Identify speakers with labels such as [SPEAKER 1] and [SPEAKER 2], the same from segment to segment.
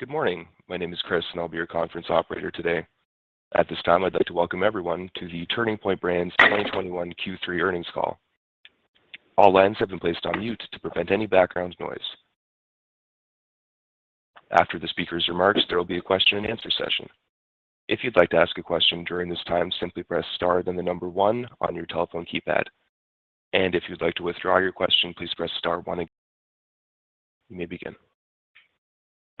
[SPEAKER 1] Good morning. My name is Chris, and I'll be your conference operator today. At this time, I'd like to welcome everyone to the Turning Point Brands 2021 Q3 earnings call. All lines have been placed on mute to prevent any background noise. After the speaker's remarks, there will be a question and answer session. If you'd like to ask a question during this time, simply press star then the number one on your telephone keypad. If you'd like to withdraw your question, please press star one again.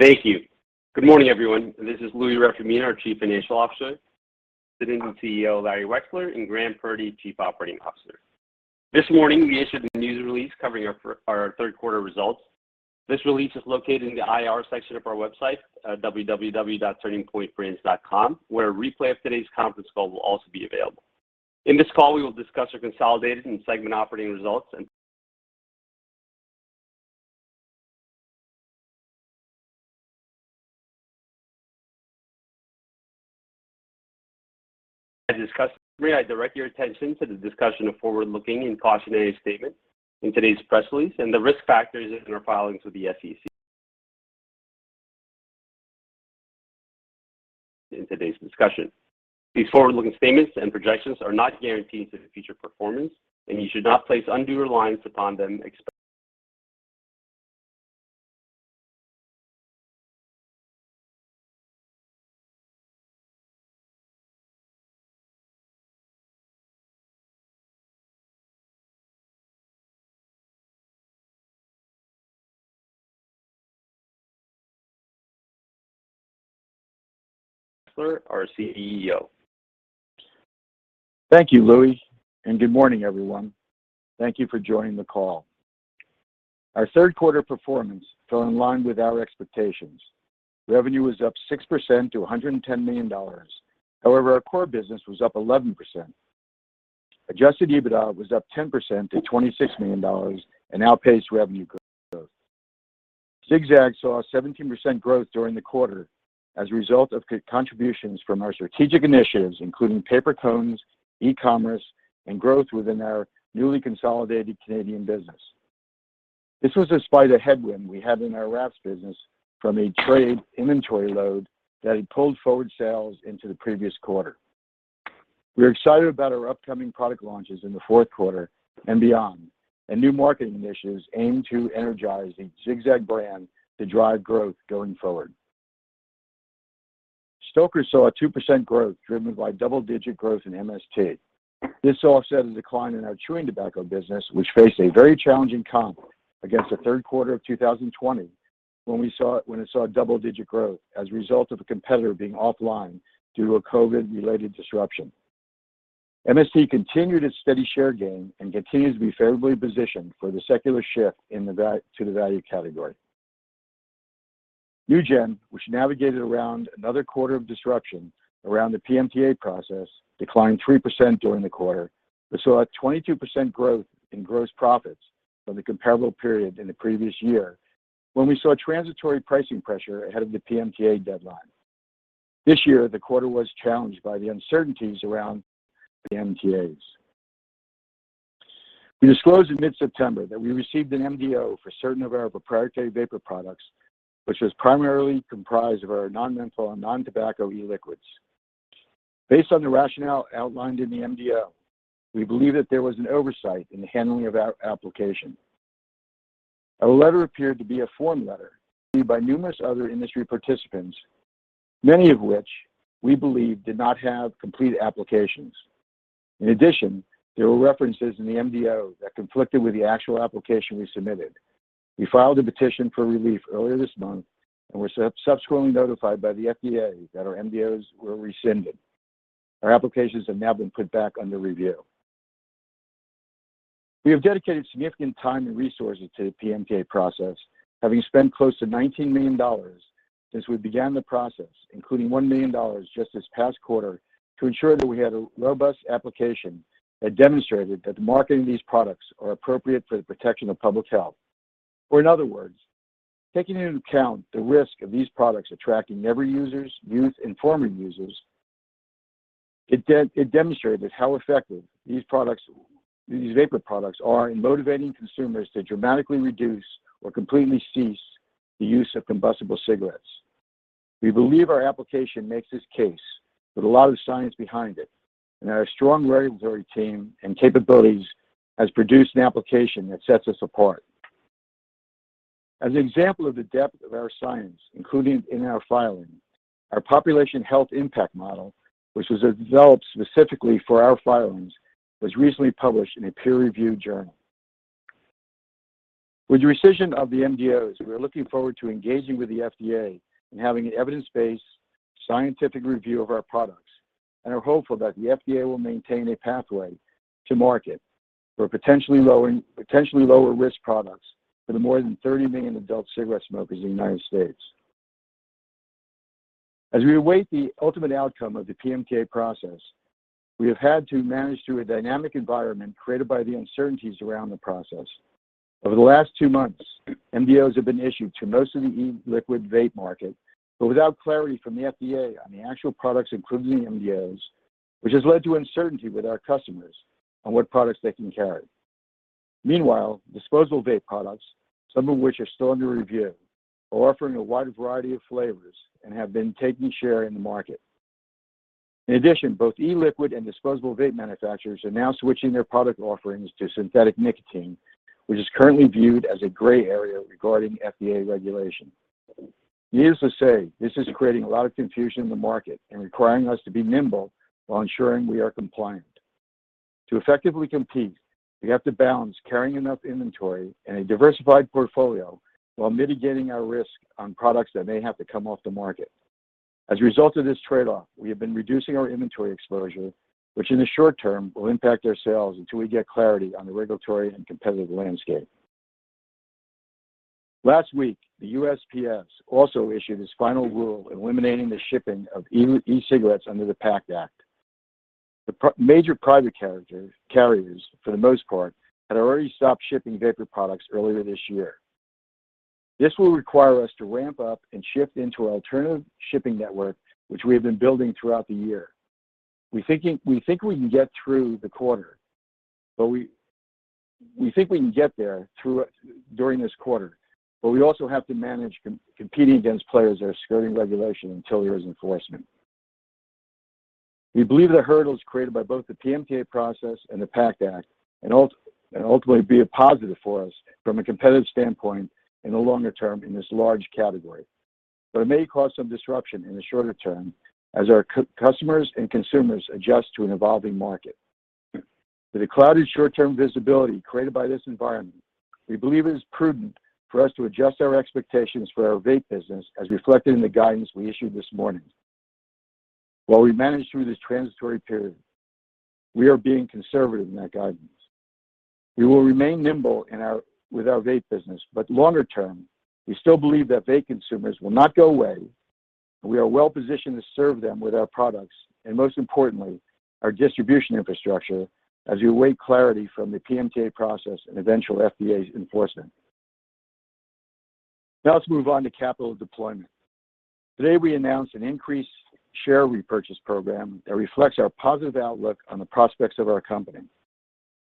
[SPEAKER 1] You may begin.
[SPEAKER 2] Thank you. Good morning, everyone. This is Louie Reformina, our Chief Financial Officer, sitting with CEO, Larry Wexler, and Graham Purdy, Chief Operating Officer. This morning, we issued a news release covering our third quarter results. This release is located in the IR section of our website at www.turningpointbrands.com, where a replay of today's conference call will also be available. In this call, we will discuss our consolidated and segment operating results. As discussed, may I direct your attention to the discussion of forward-looking and cautionary statements in today's press release and the risk factors in our filings with the SEC in today's discussion. These forward-looking statements and projections are not guarantees of future performance, and you should not place undue reliance upon them expect Wexler, our CEO.
[SPEAKER 3] Thank you, Louie, and good morning, everyone. Thank you for joining the call. Our third quarter performance fell in line with our expectations. Revenue was up 6% to $110 million. However, our core business was up 11%. Adjusted EBITDA was up 10% to $26 million and outpaced revenue growth. Zig-Zag saw a 17% growth during the quarter as a result of contributions from our strategic initiatives, including paper cones, e-commerce, and growth within our newly consolidated Canadian business. This was despite a headwind we had in our wraps business from a trade inventory load that had pulled forward sales into the previous quarter. We're excited about our upcoming product launches in the fourth quarter and beyond, and new marketing initiatives aim to energize the Zig-Zag brand to drive growth going forward. Stoker's saw 2% growth, driven by double-digit growth in MST. This offset a decline in our chewing tobacco business, which faced a very challenging comp against the third quarter of 2020, when it saw a double-digit growth as a result of a competitor being offline due to a COVID-related disruption. MST continued its steady share gain and continues to be favorably positioned for the secular shift to the value category. NewGen, which navigated around another quarter of disruption around the PMTA process, declined 3% during the quarter, but saw 22% growth in gross profits from the comparable period in the previous year when we saw transitory pricing pressure ahead of the PMTA deadline. This year, the quarter was challenged by the uncertainties around the PMTAs. We disclosed in mid-September that we received an MDO for certain of our proprietary vapor products, which was primarily comprised of our non-menthol and non-tobacco e-liquids. Based on the rationale outlined in the MDO, we believe that there was an oversight in the handling of our application. Our letter appeared to be a form letter seen by numerous other industry participants, many of which we believe did not have complete applications. In addition, there were references in the MDO that conflicted with the actual application we submitted. We filed a petition for relief earlier this month and were subsequently notified by the FDA that our MDOs were rescinded. Our applications have now been put back under review. We have dedicated significant time and resources to the PMTA process, having spent close to $19 million since we began the process, including $1 million just this past quarter to ensure that we had a robust application that demonstrated that the marketing of these products are appropriate for the protection of public health. In other words, taking into account the risk of these products attracting never users, youth, and former users, it demonstrated that how effective these products, these vapor products are in motivating consumers to dramatically reduce or completely cease the use of combustible cigarettes. We believe our application makes this case with a lot of science behind it, and our strong regulatory team and capabilities has produced an application that sets us apart. As an example of the depth of our science, including in our filing, our population health impact model, which was developed specifically for our filings, was recently published in a peer-reviewed journal. With the rescission of the MDOs, we're looking forward to engaging with the FDA in having an evidence-based scientific review of our products and are hopeful that the FDA will maintain a pathway to market for potentially lower risk products for the more than 30 million adult cigarette smokers in the United States. As we await the ultimate outcome of the PMTA process, we have had to manage through a dynamic environment created by the uncertainties around the process. Over the last two months, MDOs have been issued to most of the e-liquid vape market, but without clarity from the FDA on the actual products included in the MDOs, which has led to uncertainty with our customers on what products they can carry. Meanwhile, disposable vape products, some of which are still under review, are offering a wide variety of flavors and have been taking share in the market. In addition, both e-liquid and disposable vape manufacturers are now switching their product offerings to synthetic nicotine, which is currently viewed as a gray area regarding FDA regulation. Needless to say, this is creating a lot of confusion in the market and requiring us to be nimble while ensuring we are compliant. To effectively compete, we have to balance carrying enough inventory and a diversified portfolio while mitigating our risk on products that may have to come off the market. As a result of this trade-off, we have been reducing our inventory exposure, which in the short term will impact our sales until we get clarity on the regulatory and competitive landscape. Last week, the USPS also issued its final rule eliminating the shipping of e-cigarettes under the PACT Act. The major private carriers, for the most part, had already stopped shipping vapor products earlier this year. This will require us to ramp up and shift into an alternative shipping network, which we have been building throughout the year. We think we can get through the quarter, but we think we can get there during this quarter, but we also have to manage competing against players that are skirting regulation until there is enforcement. We believe the hurdles created by both the PMTA process and the PACT Act and ultimately will be a positive for us from a competitive standpoint in the longer term in this large category. It may cause some disruption in the shorter term as our customers and consumers adjust to an evolving market. With the clouded short-term visibility created by this environment, we believe it is prudent for us to adjust our expectations for our vape business as reflected in the guidance we issued this morning. While we manage through this transitory period, we are being conservative in that guidance. We will remain nimble with our vape business, but longer term, we still believe that vape consumers will not go away, and we are well positioned to serve them with our products, and most importantly, our distribution infrastructure as we await clarity from the PMTA process and eventual FDA enforcement. Now let's move on to capital deployment. Today, we announced an increased share repurchase program that reflects our positive outlook on the prospects of our company.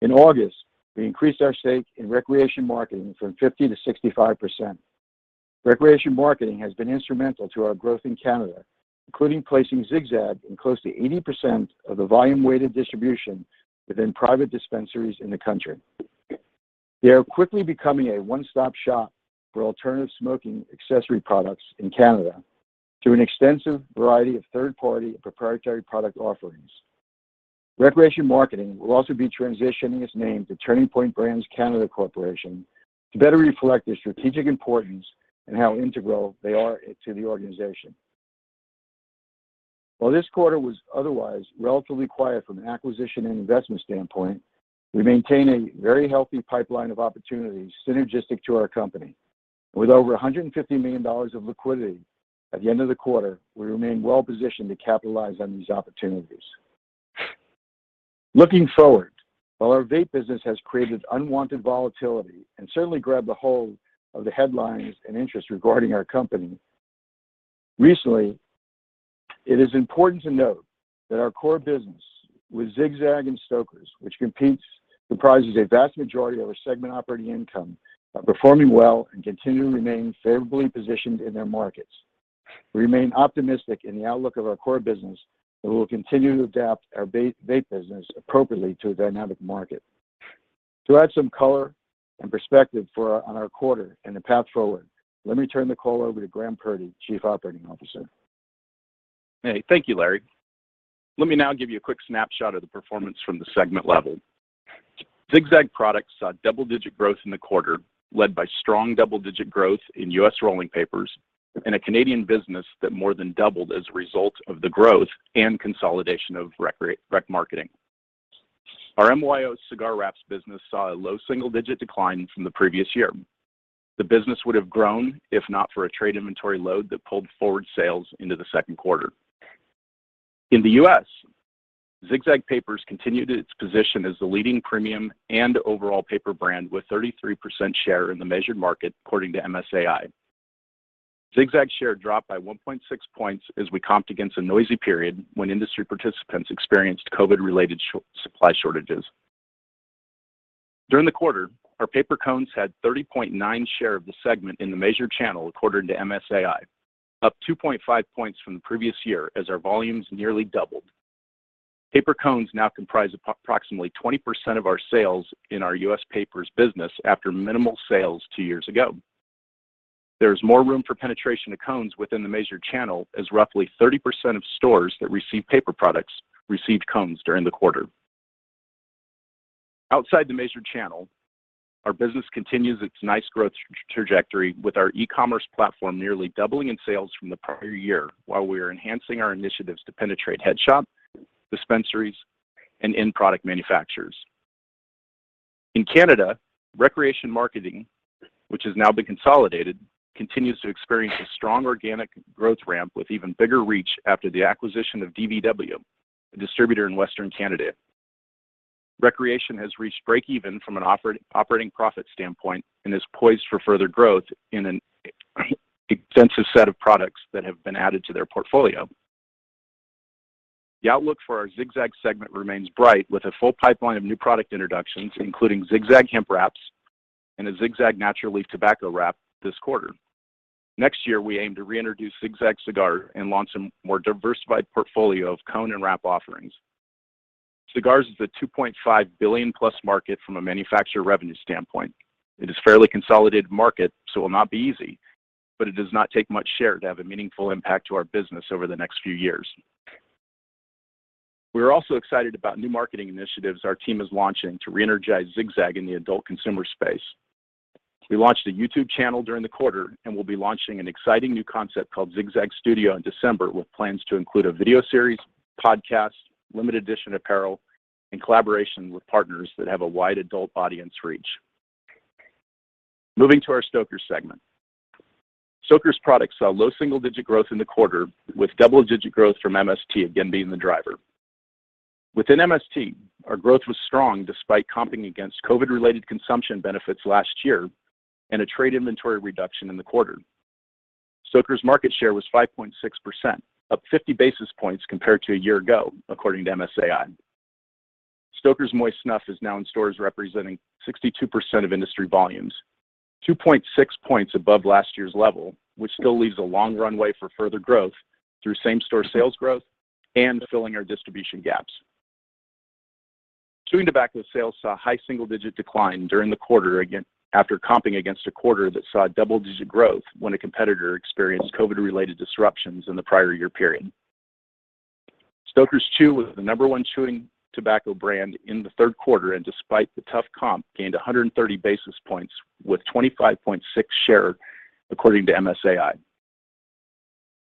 [SPEAKER 3] In August, we increased our stake in ReCreation Marketing from 50%-65%. ReCreation Marketing has been instrumental to our growth in Canada, including placing Zig-Zag in close to 80% of the volume-weighted distribution within private dispensaries in the country. They are quickly becoming a one-stop shop for alternative smoking accessory products in Canada through an extensive variety of third-party and proprietary product offerings. ReCreation Marketing will also be transitioning its name to Turning Point Brands Canada Corporation to better reflect the strategic importance and how integral they are to the organization. While this quarter was otherwise relatively quiet from an acquisition and investment standpoint, we maintain a very healthy pipeline of opportunities synergistic to our company. With over $150 million of liquidity at the end of the quarter, we remain well positioned to capitalize on these opportunities. Looking forward, while our vape business has created unwanted volatility and certainly grabbed a hold of the headlines and interest regarding our company, recently, it is important to note that our core business with Zig-Zag and Stoker's, which competes, comprises a vast majority of our segment operating income, are performing well and continue to remain favorably positioned in their markets. We remain optimistic in the outlook of our core business, and we will continue to adapt our vape business appropriately to a dynamic market. To add some color and perspective on our quarter and the path forward, let me turn the call over to Graham Purdy, Chief Operating Officer.
[SPEAKER 4] Hey, thank you, Larry. Let me now give you a quick snapshot of the performance from the segment level. Zig-Zag products saw double-digit growth in the quarter, led by strong double-digit growth in U.S. Rolling Papers and a Canadian business that more than doubled as a result of the growth and consolidation of ReCreation Marketing. Our MYO cigar wraps business saw a low single-digit decline from the previous year. The business would have grown if not for a trade inventory load that pulled forward sales into the second quarter. In the U.S., Zig-Zag Papers continued its position as the leading premium and overall paper brand with 33% share in the measured market according to MSAI. Zig-Zag share dropped by 1.6 points as we comped against a noisy period when industry participants experienced COVID-related short-supply shortages. During the quarter, our paper cones had 30.9% share of the segment in the measured channel according to MSAI, up 2.5 points from the previous year as our volumes nearly doubled. Paper cones now comprise approximately 20% of our sales in our U.S. Papers business after minimal sales two years ago. There is more room for penetration of cones within the measured channel, as roughly 30% of stores that receive paper products received cones during the quarter. Outside the measured channel, our business continues its nice growth trajectory, with our e-commerce platform nearly doubling in sales from the prior year while we are enhancing our initiatives to penetrate head shop, dispensaries, and end product manufacturers. In Canada, ReCreation Marketing, which has now been consolidated, continues to experience a strong organic growth ramp with even bigger reach after the acquisition of DVW, a distributor in Western Canada. ReCreation has reached breakeven from an operating profit standpoint and is poised for further growth in an extensive set of products that have been added to their portfolio. The outlook for our Zig-Zag segment remains bright with a full pipeline of new product introductions, including Zig-Zag Hemp Wraps and a Zig-Zag Natural Leaf tobacco wrap this quarter. Next year, we aim to reintroduce Zig-Zag cigar and launch a more diversified portfolio of cone and wrap offerings. Cigars is a $2.5 billion+ market from a manufacturer revenue standpoint. It is a fairly consolidated market, so it will not be easy, but it does not take much share to have a meaningful impact to our business over the next few years. We're also excited about new marketing initiatives our team is launching to re-energize Zig-Zag in the adult consumer space. We launched a YouTube channel during the quarter and will be launching an exciting new concept called Zig-Zag Studio in December, with plans to include a video series, podcast, limited edition apparel, and collaboration with partners that have a wide adult audience reach. Moving to our Stoker's segment. Stoker's product saw low single-digit growth in the quarter, with double-digit growth from MST again being the driver. Within MST, our growth was strong despite comping against COVID-related consumption benefits last year and a trade inventory reduction in the quarter. Stoker's market share was 5.6%, up 50 basis points compared to a year ago, according to MSAI. Stoker's moist snuff is now in stores representing 62% of industry volumes, 2.6 points above last year's level, which still leaves a long runway for further growth through same-store sales growth and filling our distribution gaps. Chewing tobacco sales saw high single-digit decline during the quarter again after comping against 1/4 that saw double-digit growth when a competitor experienced COVID-related disruptions in the prior year period. Stoker's Chew was the number one chewing tobacco brand in the third quarter, and despite the tough comp, gained 130 basis points with 25.6% share, according to MSAI.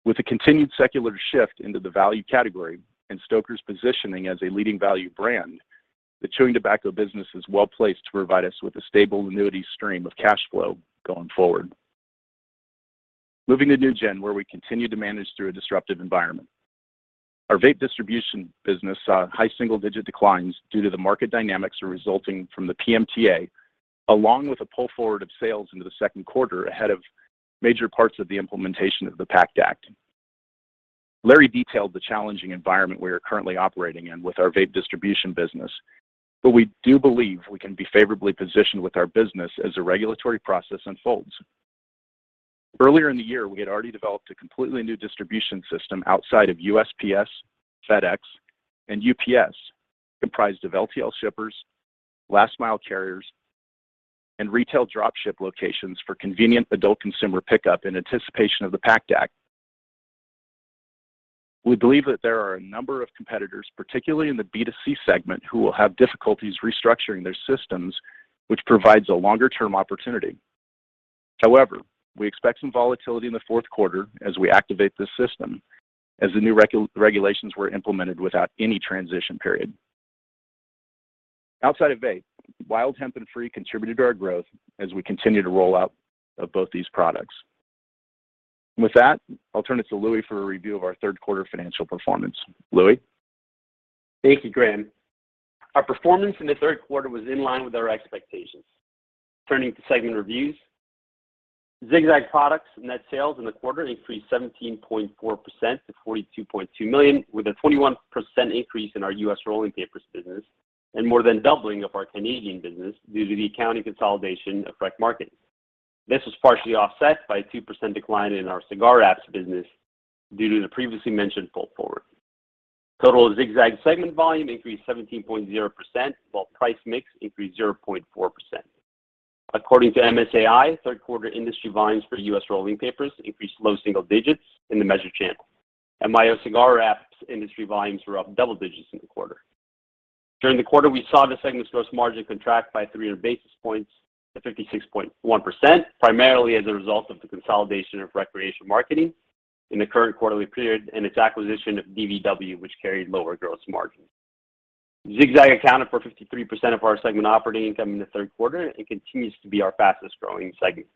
[SPEAKER 4] With the continued secular shift into the value category and Stoker's positioning as a leading value brand, the chewing tobacco business is well-placed to provide us with a stable annuity stream of cash flow going forward. Moving to NewGen, where we continue to manage through a disruptive environment. Our vape distribution business saw high single-digit declines due to the market dynamics resulting from the PMTA, along with a pull forward of sales into the second quarter ahead of major parts of the implementation of the PACT Act. Larry detailed the challenging environment we are currently operating in with our vape distribution business, but we do believe we can be favorably positioned with our business as the regulatory process unfolds. Earlier in the year, we had already developed a completely new distribution system outside of USPS, FedEx, and UPS, comprised of LTL shippers, last mile carriers, and retail dropship locations for convenient adult consumer pickup in anticipation of the PACT Act. We believe that there are a number of competitors, particularly in the B2C segment, who will have difficulties restructuring their systems, which provides a longer-term opportunity. However, we expect some volatility in the fourth quarter as we activate this system, as the new regulations were implemented without any transition period. Outside of vape, Wild Hemp and Frē contributed to our growth as we continue the rollout of both these products. With that, I'll turn it to Louis for a review of our third quarter financial performance. Louis?
[SPEAKER 2] Thank you, Graham. Our performance in the third quarter was in line with our expectations. Turning to segment reviews, Zig-Zag products net sales in the quarter increased 17.4% to $42.2 million, with a 21% increase in our U.S. rolling papers business and more than doubling of our Canadian business due to the accounting consolidation of ReCreation Marketing. This was partially offset by a 2% decline in our cigar wraps business due to the previously mentioned pull forward. Total Zig-Zag segment volume increased 17.0%, while price mix increased 0.4%. According to MSAI, third quarter industry volumes for U.S. rolling papers increased low single digits in the measured channel. MYO cigar wraps industry volumes were up double digits in the quarter. During the quarter, we saw the segment's gross margin contract by 300 basis points to 56.1%, primarily as a result of the consolidation of ReCreation Marketing in the current quarterly period and its acquisition of DVW, which carried lower gross margins. Zig-Zag accounted for 53% of our segment operating income in the third quarter and continues to be our fastest-growing segment.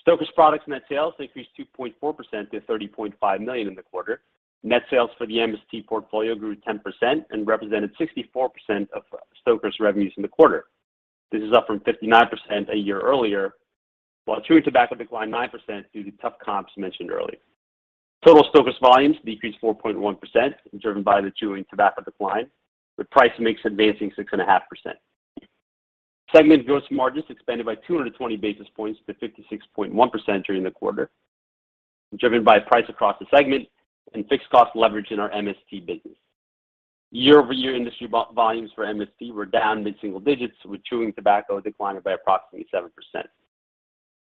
[SPEAKER 2] Stoker's products net sales increased 2.4% to $30.5 million in the quarter. Net sales for the MST portfolio grew 10% and represented 64% of Stoker's revenues in the quarter. This is up from 59% a year earlier, while chewing tobacco declined 9% due to tough comps mentioned earlier. Total Stoker's volumes decreased 4.1%, driven by the chewing tobacco decline, with price and mix advancing 6.5%. Segment gross margins expanded by 220 basis points to 56.1% during the quarter, driven by price across the segment and fixed cost leverage in our MST business. Year-over-year industry volumes for MST were down mid-single digits, with chewing tobacco declining by approximately 7%.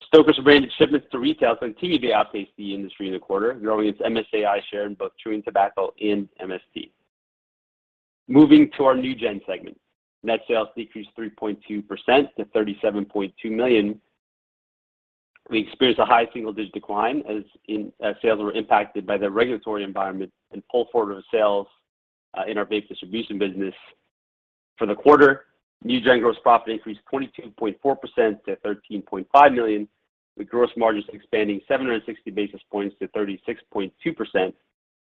[SPEAKER 2] Stoker's branded shipments to retail continued to outpace the industry in the quarter, growing its MSAI share in both chewing tobacco and MST. Moving to our NewGen segment. Net sales decreased 3.2% to $37.2 million. We experienced a high single-digit decline as sales were impacted by the regulatory environment and pull forward of sales in our vape distribution business. For the quarter, NewGen gross profit increased 22.4% to $13.5 million, with gross margins expanding 760 basis points to 36.2%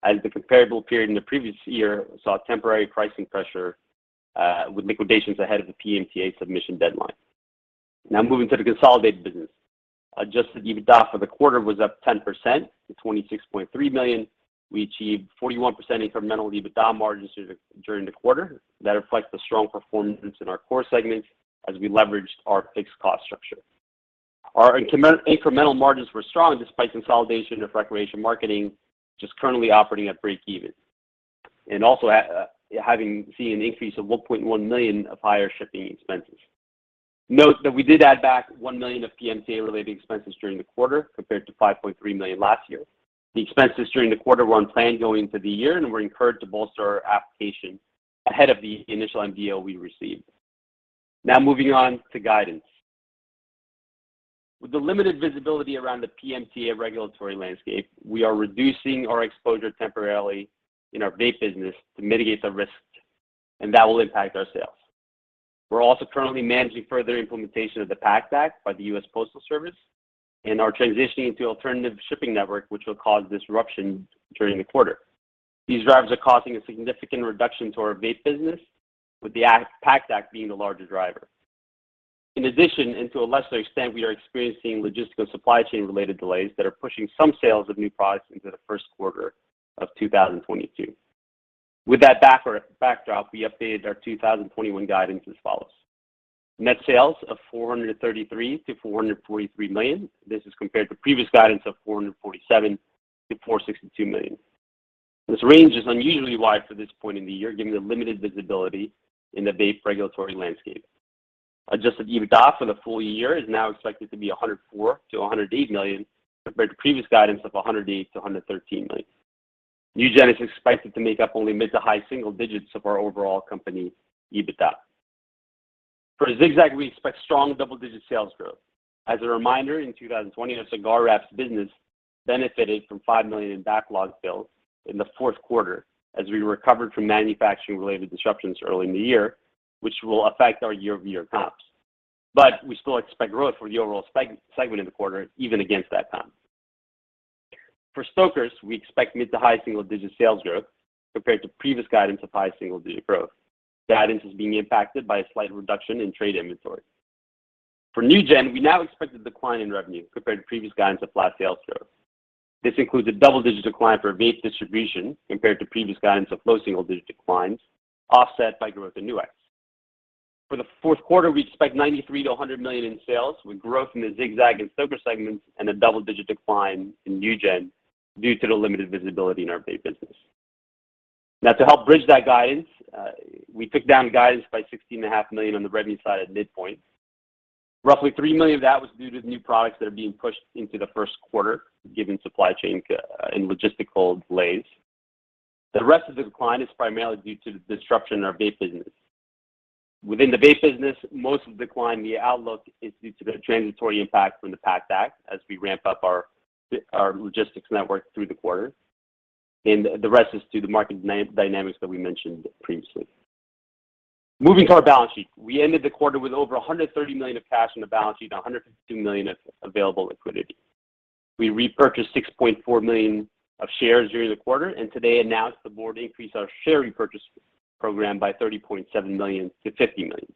[SPEAKER 2] as the comparable period in the previous year saw temporary pricing pressure with liquidations ahead of the PMTA submission deadline. Now moving to the consolidated business. Adjusted EBITDA for the quarter was up 10% to $26.3 million. We achieved 41% incremental EBITDA margins during the quarter. That reflects the strong performance in our core segments as we leveraged our fixed cost structure. Our incremental margins were strong despite consolidation of ReCreation Marketing, which is currently operating at breakeven, and also having seen an increase of $1.1 million of higher shipping expenses. Note that we did add back $1 million of PMTA-related expenses during the quarter compared to $5.3 million last year. The expenses during the quarter were on plan going into the year, and we're encouraged to bolster our application ahead of the initial MDO we received. Now moving on to guidance. With the limited visibility around the PMTA regulatory landscape, we are reducing our exposure temporarily in our vape business to mitigate the risks, and that will impact our sales. We're also currently managing further implementation of the PACT Act by the U.S. Postal Service and are transitioning to alternative shipping network, which will cause disruption during the quarter. These drivers are causing a significant reduction to our vape business, with the PACT Act being the larger driver. In addition, and to a lesser extent, we are experiencing logistical supply chain-related delays that are pushing some sales of new products into the first quarter of 2022. With that backdrop, we updated our 2021 guidance as follows: Net sales of $433 million-$443 million. This is compared to previous guidance of $447 million-$462 million. This range is unusually wide for this point in the year, given the limited visibility in the vape regulatory landscape. Adjusted EBITDA for the full year is now expected to be $104 million-$108 million, compared to previous guidance of $108 million-$113 million. NewGen is expected to make up only mid to high single digits of our overall company EBITDA. For Zig-Zag, we expect strong double-digit sales growth. As a reminder, in 2020, our cigar wraps business benefited from $5 million in backlog sales in the fourth quarter as we recovered from manufacturing-related disruptions early in the year, which will affect our year-over-year comps. We still expect growth for the overall segment in the quarter even against that comp. For Stoker's, we expect mid to high single-digit sales growth compared to previous guidance of high single-digit growth. The guidance is being impacted by a slight reduction in trade inventory. For NewGen, we now expect a decline in revenue compared to previous guidance of flat sales growth. This includes a double-digit decline for vape distribution compared to previous guidance of low single-digit declines, offset by growth in NUX. For the fourth quarter, we expect $93 million-$100 million in sales, with growth in the Zig-Zag and Stoker's segments and a double-digit decline in NewGen due to the limited visibility in our vape business. Now to help bridge that guidance, we took down guidance by $16.5 million on the revenue side at midpoint. Roughly $3 million of that was due to the new products that are being pushed into the first quarter, given supply chain and logistical delays. The rest of the decline is primarily due to the disruption in our vape business. Within the vape business, most of the decline in the outlook is due to the transitory impact from the PACT Act as we ramp up our logistics network through the quarter, and the rest is due to market dynamics that we mentioned previously. Moving to our balance sheet. We ended the quarter with over $130 million of cash on the balance sheet and $152 million of available liquidity. We repurchased 6.4 million of shares during the quarter and today announced the board increased our share repurchase program by 30.7 million-50 million,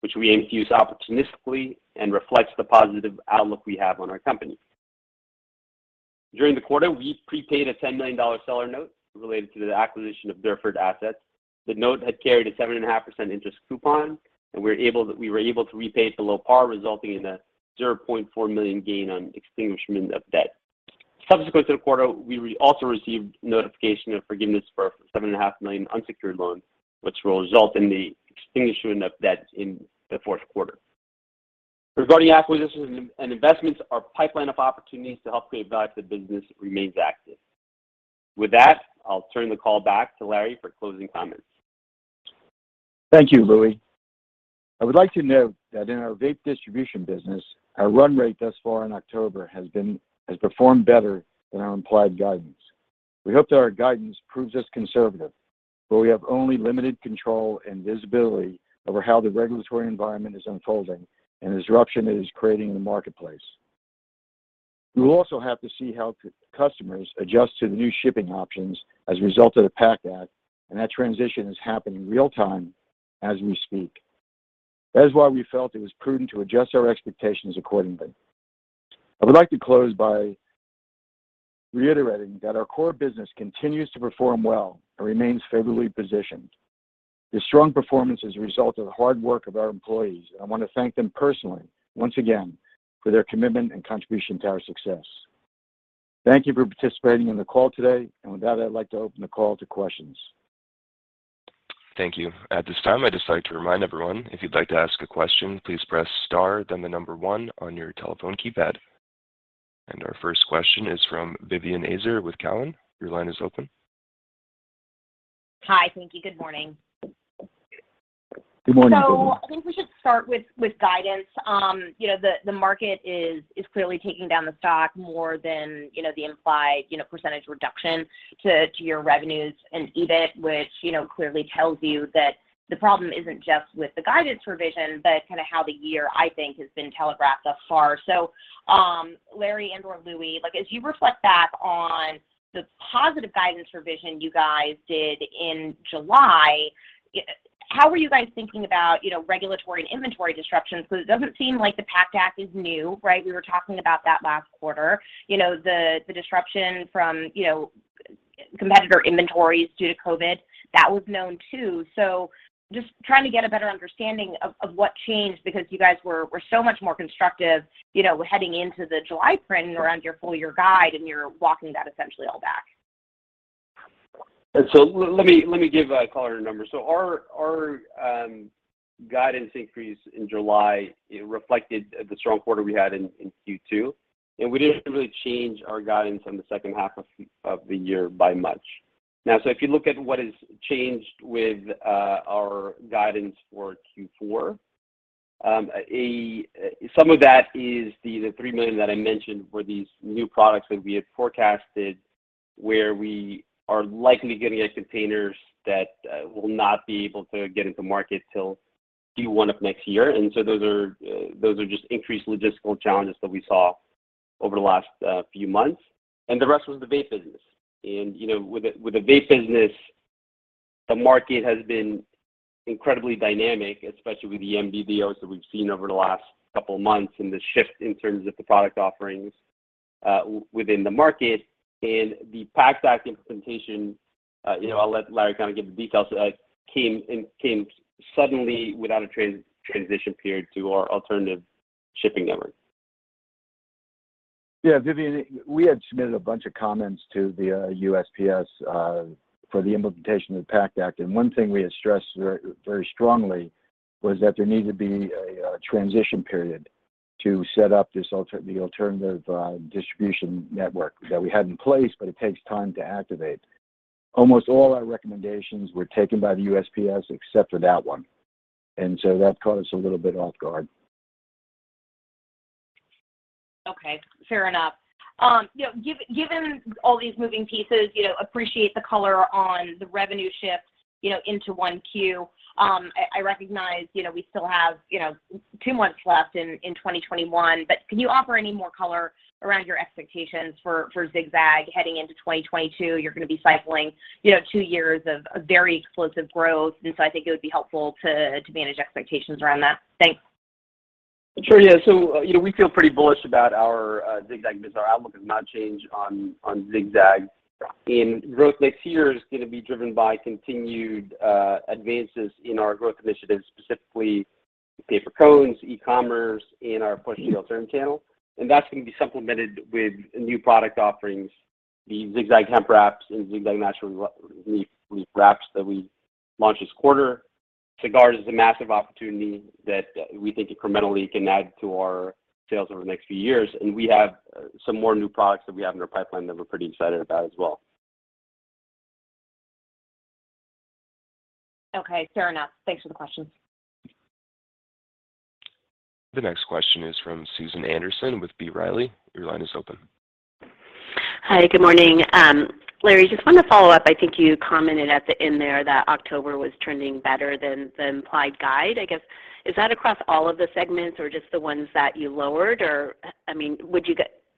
[SPEAKER 2] which we aim to use opportunistically and reflects the positive outlook we have on our company. During the quarter, we prepaid a $10 million seller note related to the acquisition of Durfort assets. The note had carried a 7.5% interest coupon, and we were able to repay it below par, resulting in a $0.4 million gain on extinguishment of debt. Subsequent to the quarter, we also received notification of forgiveness for a $7.5 million unsecured loan, which will result in the extinguishment of debt in the fourth quarter. Regarding acquisitions and investments, our pipeline of opportunities to help create value for the business remains active. With that, I'll turn the call back to Larry for closing comments.
[SPEAKER 3] Thank you, Louie. I would like to note that in our vape distribution business, our run rate thus far in October has performed better than our implied guidance. We hope that our guidance proves us conservative, but we have only limited control and visibility over how the regulatory environment is unfolding and the disruption it is creating in the marketplace. We will also have to see how customers adjust to the new shipping options as a result of the PACT Act, and that transition is happening in real-time as we speak. That is why we felt it was prudent to adjust our expectations accordingly. I would like to close by reiterating that our core business continues to perform well and remains favorably positioned. This strong performance is a result of the hard work of our employees, and I want to thank them personally once again for their commitment and contribution to our success. Thank you for participating in the call today. With that, I'd like to open the call to questions.
[SPEAKER 1] Thank you. At this time, I'd just like to remind everyone, if you'd like to ask a question, please press star, then the number one on your telephone keypad. Our first question is from Vivien Azer with Cowen. Your line is open.
[SPEAKER 5] Hi. Thank you. Good morning.
[SPEAKER 3] Good morning, Vivien.
[SPEAKER 5] I think we should start with guidance. You know, the market is clearly taking down the stock more than you know, the implied you know, percentage reduction to your revenues and EBIT, which you know, clearly tells you that the problem isn't just with the guidance revision, but kind of how the year I think, has been telegraphed thus far. Larry and/or Louie, like, as you reflect back on the positive guidance revision you guys did in July. Yeah. How are you guys thinking about you know, regulatory and inventory disruptions? It doesn't seem like the PACT Act is new, right? We were talking about that last quarter. You know, the disruption from you know, competitor inventories due to COVID, that was known too. Just trying to get a better understanding of what changed because you guys were so much more constructive, you know, heading into the July printing around your full year guide, and you're walking that essentially all back.
[SPEAKER 2] Let me give a color and a number. Our guidance increase in July reflected the strong quarter we had in Q2, and we didn't really change our guidance on the second half of the year by much. Now, if you look at what has changed with our guidance for Q4, some of that is the $3 million that I mentioned were these new products that we had forecasted where we are likely getting containers that will not be able to get into market till Q1 of next year. Those are just increased logistical challenges that we saw over the last few months. The rest was the vape business. You know, with the vape business, the market has been incredibly dynamic, especially with the MVDOs that we've seen over the last couple of months and the shift in terms of the product offerings within the market. The PACT Act implementation, you know, I'll let Larry kind of give the details, came suddenly without a transition period to our alternative shipping network.
[SPEAKER 3] Yeah, Vivien, we had submitted a bunch of comments to the USPS for the implementation of the PACT Act, and one thing we had stressed very strongly was that there needed to be a transition period to set up this alternative distribution network that we had in place, but it takes time to activate. Almost all our recommendations were taken by the USPS except for that one, and so that caught us a little bit off guard.
[SPEAKER 5] Okay. Fair enough. Given all these moving pieces, you know, appreciate the color on the revenue shifts, you know, into Q1. I recognize, you know, we still have, you know, two months left in 2021, but can you offer any more color around your expectations for Zig-Zag heading into 2022? You're gonna be cycling, you know, two years of very explosive growth, and so I think it would be helpful to manage expectations around that. Thanks.
[SPEAKER 2] Sure. Yeah. You know, we feel pretty bullish about our Zig-Zag business. Our outlook has not changed on Zig-Zag. Growth next year is gonna be driven by continued advances in our growth initiatives, specifically paper cones, e-commerce, and our push to alternate channel. That's gonna be supplemented with new product offerings, the Zig-Zag hemp wraps and Zig-Zag natural leaf wraps that we launched this quarter. Cigars is a massive opportunity that we think incrementally can add to our sales over the next few years, and we have some more new products that we have in our pipeline that we're pretty excited about as well.
[SPEAKER 5] Okay. Fair enough. Thanks for the questions.
[SPEAKER 1] The next question is from Susan Anderson with B. Riley. Your line is open.
[SPEAKER 6] Hi. Good morning. Larry, just wanted to follow up. I think you commented at the end there that October was trending better than applied guide. I guess, is that across all of the segments or just the ones that you lowered? Or, I mean,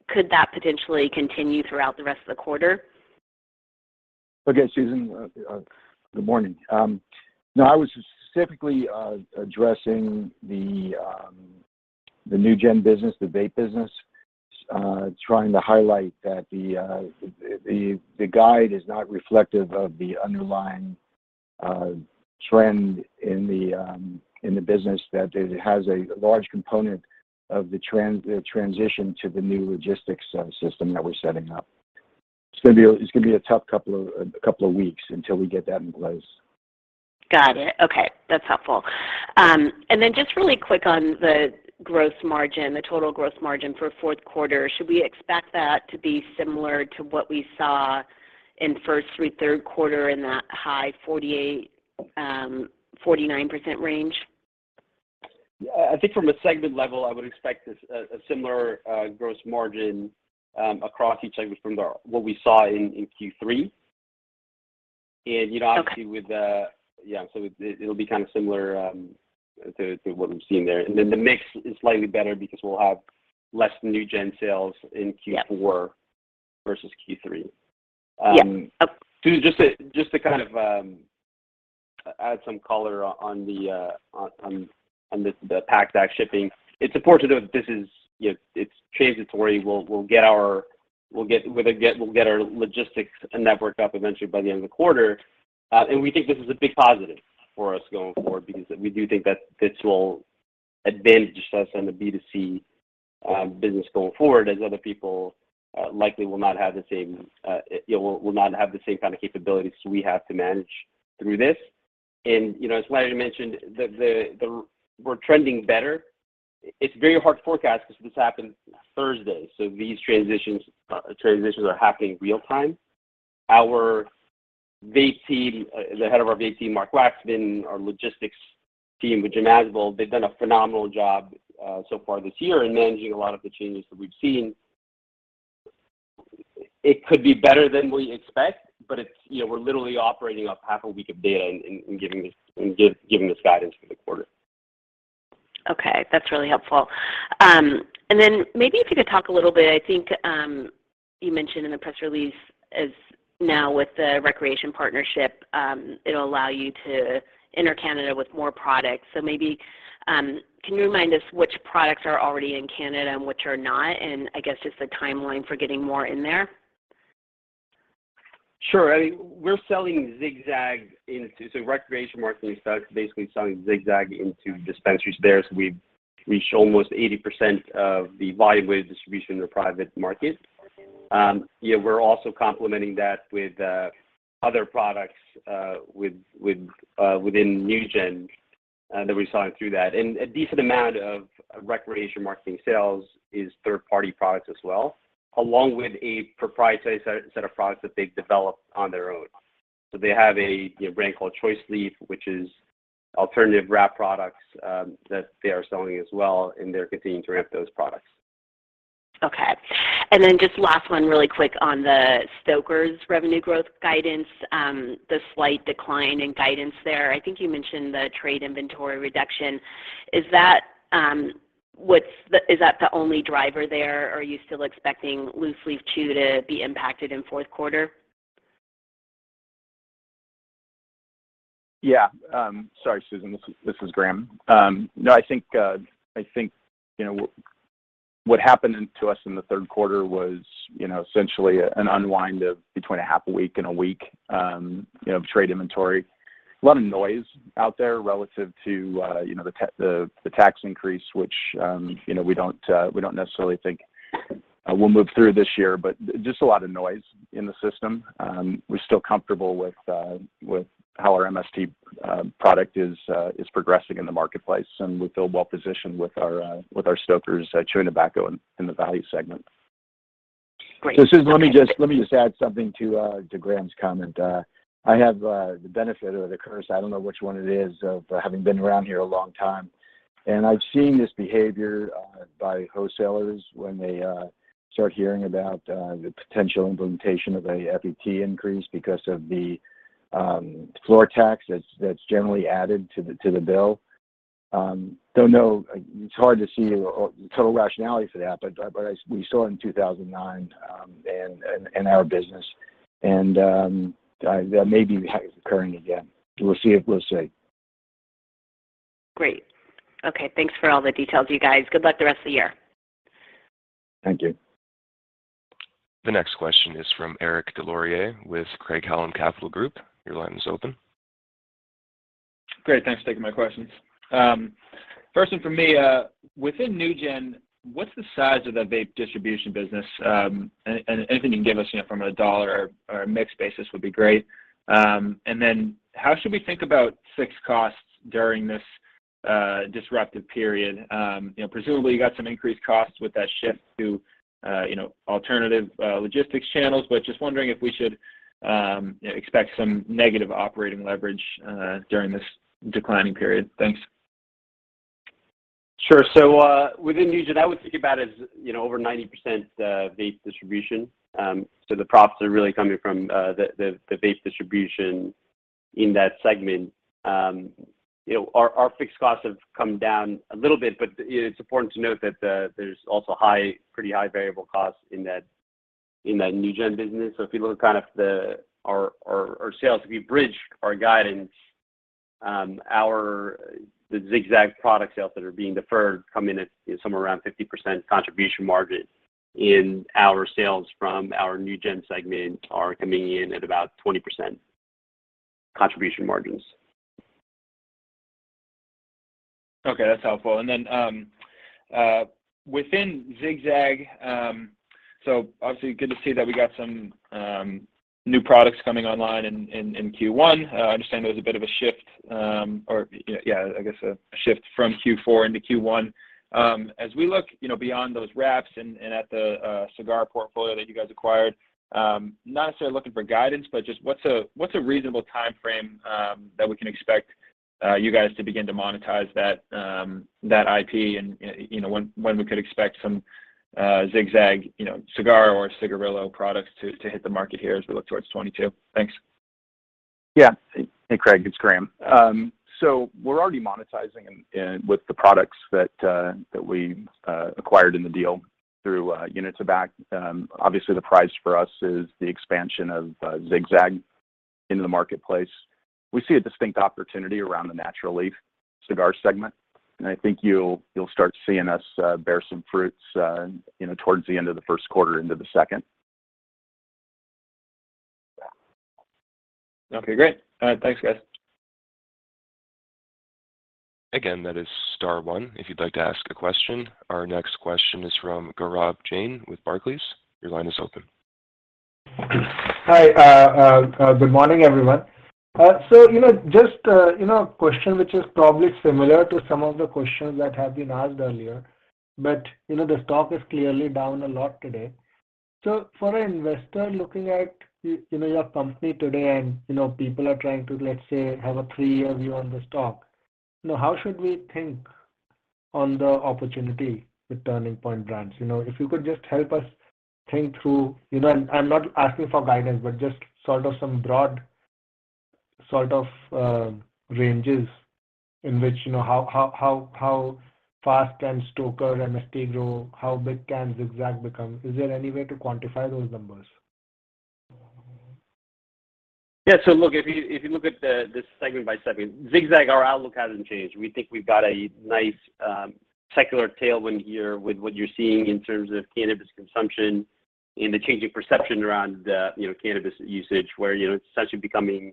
[SPEAKER 6] could that potentially continue throughout the rest of the quarter?
[SPEAKER 3] Okay, Susan. Good morning. No, I was specifically addressing the NewGen business, the vape business, trying to highlight that the guide is not reflective of the underlying trend in the business that it has a large component of the transition to the new logistics system that we're setting up. It's gonna be a tough couple of weeks until we get that in place.
[SPEAKER 6] Got it. Okay. That's helpful. Just really quick on the gross margin, the total gross margin for fourth quarter, should we expect that to be similar to what we saw in first through third quarter in that high 48%-49% range?
[SPEAKER 2] Yeah. I think from a segment level, I would expect a similar gross margin across each segment from what we saw in Q3. You know, obviously.
[SPEAKER 6] Okay.
[SPEAKER 2] Yeah, it'll be kind of similar to what we've seen there. Then the mix is slightly better because we'll have less NewGen sales in Q4.
[SPEAKER 6] Yeah.
[SPEAKER 2] Versus Q3.
[SPEAKER 6] Yeah.
[SPEAKER 2] Just to kind of add some color on this, the PACT Act shipping, it's important to note this is, you know, it's transitory. We'll get our logistics network up eventually by the end of the quarter. We think this is a big positive for us going forward because we do think that this will advantage us in the B2C business going forward as other people likely will not have the same, you know, will not have the same kind of capabilities we have to manage through this. You know, as Larry mentioned, we're trending better. It's very hard to forecast because this happened Thursday, so these transitions are happening real time. Our vape team, the head of our vape team, Marc Waxman, our logistics team with Jim Azbill, they've done a phenomenal job, so far this year in managing a lot of the changes that we've seen. It could be better than we expect, but it's, you know, we're literally operating off half a week of data in giving this guidance for the quarter.
[SPEAKER 6] That's really helpful. And then maybe if you could talk a little bit, I think you mentioned in the press release that now with the ReCreation partnership, it'll allow you to enter Canada with more products. Maybe can you remind us which products are already in Canada and which are not, and I guess just the timeline for getting more in there?
[SPEAKER 2] Sure. I mean, we're selling Zig-Zag. ReCreation Marketing starts basically selling Zig-Zag into dispensaries there, so we've reached almost 80% of the volume weight distribution in the private market. Yeah, we're also complementing that with other products within NewGen that we're selling through that. A decent amount of ReCreation Marketing sales is third-party products as well, along with a proprietary set of products that they've developed on their own. They have a brand called Choice Leaf, which is alternative wrap products that they are selling as well, and they're continuing to ramp those products.
[SPEAKER 6] Okay. Just last one really quick on the Stoker's revenue growth guidance, the slight decline in guidance there. I think you mentioned the trade inventory reduction. Is that the only driver there? Are you still expecting loose leaf chew to be impacted in fourth quarter?
[SPEAKER 4] Yeah. Sorry, Susan, this is Graham. No, I think you know what happened to us in the third quarter was you know essentially an unwind of between 1/2 a week and a week you know of trade inventory. A lot of noise out there relative to you know the tax increase, which you know we don't necessarily think will move through this year, but just a lot of noise in the system. We're still comfortable with how our MST product is progressing in the marketplace, and we feel well-positioned with our Stoker's chewing tobacco in the value segment.
[SPEAKER 6] Great. Okay.
[SPEAKER 3] Susan, let me just add something to Graham's comment. I have the benefit or the curse, I don't know which one it is, of having been around here a long time, and I've seen this behavior by wholesalers when they start hearing about the potential implementation of a FET increase because of the floor tax that's generally added to the bill. Don't know, it's hard to see a total rationality for that, but we saw it in 2009, and in our business, and that may be occurring again. We'll see.
[SPEAKER 6] Great. Okay. Thanks for all the details, you guys. Good luck the rest of the year.
[SPEAKER 3] Thank you.
[SPEAKER 1] The next question is from Eric Des Lauriers with Craig-Hallum Capital Group. Your line is open.
[SPEAKER 7] Great. Thanks for taking my questions. First one for me, within NewGen, what's the size of the vape distribution business? Anything you can give us, you know, from a dollar or a mix basis would be great. How should we think about fixed costs during this disruptive period? You know, presumably you got some increased costs with that shift to alternative logistics channels, but just wondering if we should, you know, expect some negative operating leverage during this declining period. Thanks.
[SPEAKER 2] Sure. Within NewGen, I would think about it as, you know, over 90% vape distribution. The profits are really coming from the vape distribution in that segment. You know, our fixed costs have come down a little bit, but it's important to note that there's also pretty high variable costs in that NewGen business. If you look kind of our sales, if you bridge our guidance, the Zig-Zag product sales that are being deferred come in at somewhere around 50% contribution margin, and our sales from our NewGen segment are coming in at about 20% contribution margins.
[SPEAKER 7] Okay, that's helpful. Within Zig-Zag, so obviously good to see that we got some new products coming online in Q1. I understand there was a bit of a shift, or yeah, I guess a shift from Q4 into Q1. As we look, you know, beyond those wraps and at the cigar portfolio that you guys acquired, not necessarily looking for guidance, but just what's a reasonable timeframe that we can expect you guys to begin to monetize that IP and, you know, when we could expect some Zig-Zag, you know, cigar or cigarillo products to hit the market here as we look towards 2022? Thanks.
[SPEAKER 4] Yeah. Hey, Craig, it's Graham. So we're already monetizing and with the products that we acquired in the deal through Unitabac. Obviously the prize for us is the expansion of Zig-Zag into the marketplace. We see a distinct opportunity around the natural leaf cigar segment, and I think you'll start seeing us bear some fruits, you know, towards the end of the first quarter into the second.
[SPEAKER 7] Okay, great. All right. Thanks, guys.
[SPEAKER 1] Again, that is star one if you'd like to ask a question. Our next question is from Gaurav Jain with Barclays. Your line is open.
[SPEAKER 8] Hi. Good morning, everyone. You know, just, you know, a question which is probably similar to some of the questions that have been asked earlier, but, you know, the stock is clearly down a lot today. For an investor looking at you know, your company today and, you know, people are trying to, let's say, have a three-year view on the stock, you know, how should we think on the opportunity with Turning Point Brands? You know, if you could just help us think through, you know, and I'm not asking for guidance, but just sort of some broad Sort of, ranges in which, you know, how fast can Stoker's and MST grow? How big can Zig-Zag become? Is there any way to quantify those numbers?
[SPEAKER 2] Yeah. Look, if you look at the segment by segment, Zig-Zag, our outlook hasn't changed. We think we've got a nice secular tailwind here with what you're seeing in terms of cannabis consumption and the changing perception around you know cannabis usage, where you know it's essentially becoming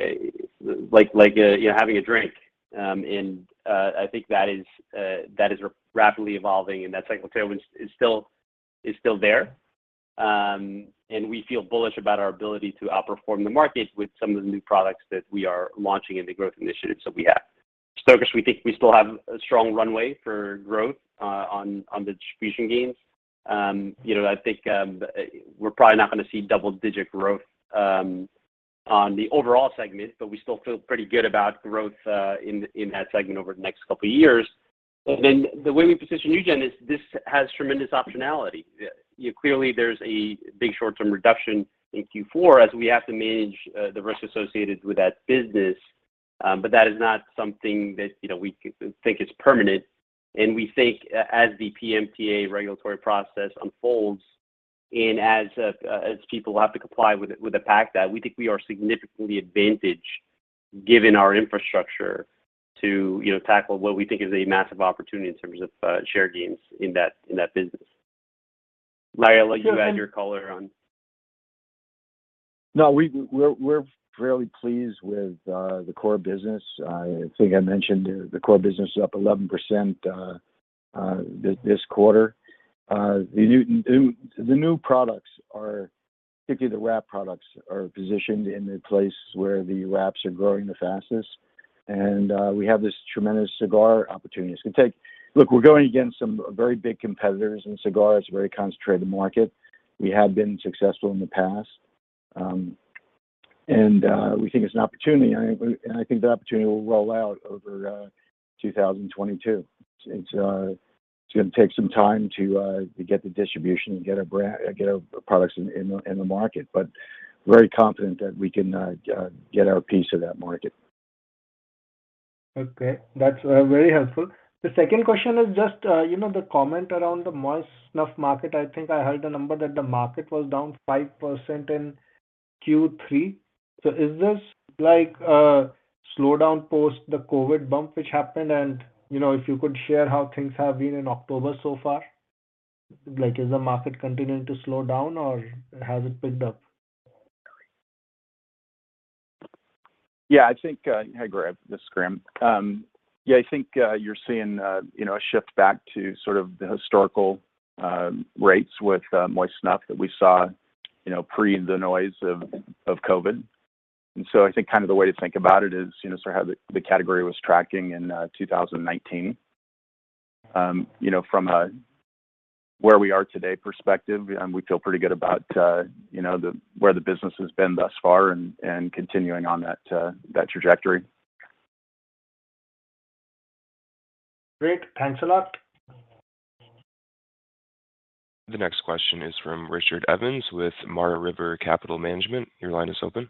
[SPEAKER 2] like you know having a drink. I think that is rapidly evolving, and that secular tailwind is still there. We feel bullish about our ability to outperform the market with some of the new products that we are launching and the growth initiatives that we have. Stoker's, we think we still have a strong runway for growth on the distribution gains. You know, I think we're probably not gonna see double-digit growth on the overall segment, but we still feel pretty good about growth in that segment over the next couple of years. Then the way we position NewGen is this has tremendous optionality. You know, clearly there's a big short-term reduction in Q4 as we have to manage the risk associated with that business. But that is not something that, you know, we think is permanent. We think as the PMTA regulatory process unfolds and as people have to comply with the fact that we think we are significantly advantaged given our infrastructure to, you know, tackle what we think is a massive opportunity in terms of share gains in that business. Larry, I'll let you add your color on.
[SPEAKER 3] No, we're fairly pleased with the core business. I think I mentioned the core business is up 11% this quarter. The new products, particularly the wrap products, are positioned in the place where the wraps are growing the fastest. We have this tremendous cigar opportunity. Look, we're going against some very big competitors, and cigar is a very concentrated market. We have been successful in the past. We think it's an opportunity, and I think that opportunity will roll out over 2022. It's gonna take some time to get the distribution and get our products in the market, but very confident that we can get our piece of that market.
[SPEAKER 8] Okay. That's very helpful. The second question is just you know the comment around the moist snuff market. I think I heard the number that the market was down 5% in Q3. Is this like a slowdown post the COVID bump which happened? You know if you could share how things have been in October so far. Like is the market continuing to slow down or has it picked up?
[SPEAKER 4] Yeah, I think, Hey, Graham. This is Graham. Yeah, I think, you're seeing, you know, a shift back to sort of the historical rates with moist snuff that we saw, you know, pre the noise of COVID. I think kind of the way to think about it is, you know, sort of how the category was tracking in 2019. You know, from a where we are today perspective, we feel pretty good about, you know, where the business has been thus far and continuing on that trajectory.
[SPEAKER 8] Great. Thanks a lot.
[SPEAKER 1] The next question is from Richard Evans with Mara River Capital Management. Your line is open.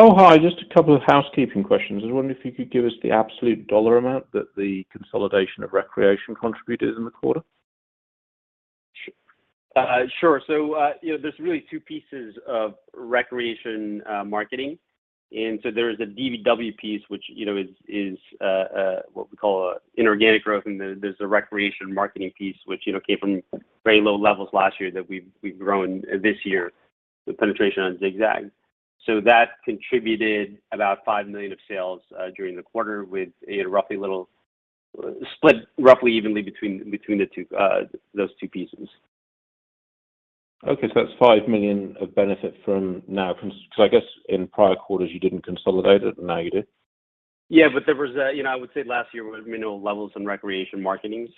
[SPEAKER 9] Oh, hi. Just a couple of housekeeping questions. I was wondering if you could give us the absolute dollar amount that the consolidation of ReCreation contributed in the quarter.
[SPEAKER 2] Sure. You know, there's really two pieces of ReCreation Marketing. There's a DVW piece, which, you know, is what we call inorganic growth. There's the ReCreation Marketing piece, which, you know, came from very low levels last year that we've grown this year with penetration on Zig-Zag. That contributed about $5 million of sales during the quarter with a split roughly evenly between those two pieces.
[SPEAKER 9] Okay. That's $5 million of benefit from NewGen. I guess in prior quarters you didn't consolidate it, and now you do.
[SPEAKER 2] You know, I would say last year was minimal levels in ReCreation Marketing.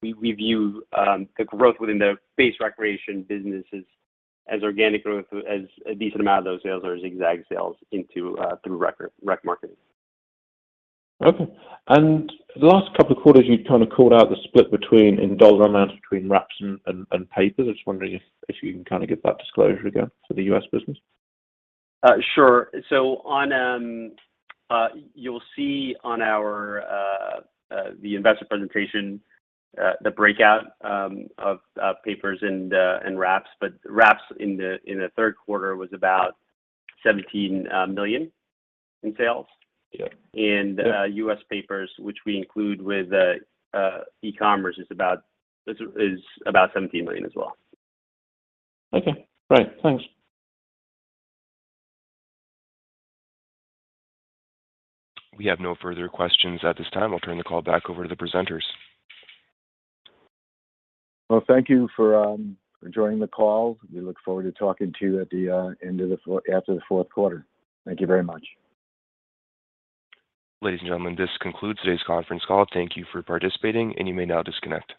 [SPEAKER 2] We view the growth within the base ReCreation business as organic growth, as a decent amount of those sales are Zig-Zag sales into through Rec Marketing.
[SPEAKER 9] Okay. The last couple of quarters, you've kinda called out the split between, in dollar amounts, between wraps and papers. I was wondering if you can kinda give that disclosure again for the U.S. business?
[SPEAKER 2] Sure. You'll see on our investor presentation the breakout of papers and wraps. Wraps in the third quarter was about $17 million in sales.
[SPEAKER 9] Yeah.
[SPEAKER 2] U.S. papers, which we include with e-commerce, is about $17 million as well.
[SPEAKER 9] Okay. Great. Thanks.
[SPEAKER 1] We have no further questions at this time. I'll turn the call back over to the presenters.
[SPEAKER 3] Well, thank you for joining the call. We look forward to talking to you after the fourth quarter. Thank you very much.
[SPEAKER 1] Ladies and gentlemen, this concludes today's conference call. Thank you for participating, and you may now disconnect.